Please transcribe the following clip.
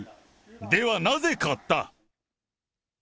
ではなぜ買った？